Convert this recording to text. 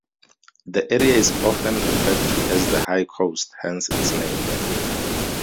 The area is often referred to as The High Coast, hence its name.